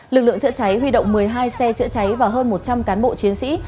lực lượng chữa cháy huy động một mươi hai xe chữa cháy và hơn một trăm linh cán bộ chiến sĩ